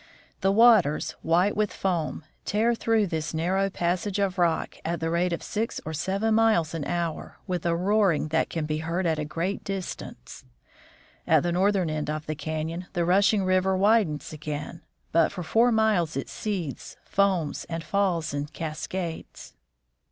The waters, white with foam, tear through this narrow passage of rock at the rate of six or seven miles an hour, with a roaring that can be heard at a great distance. At the northern end of the canon the rushing river widens again, but for four miles it seethes, foams, and falls in cascades.